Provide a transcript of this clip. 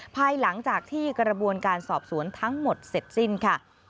ภายหลังจากที่กระบวนการสอบสวนทั้งหมดเสร็จสิ้นค่ะ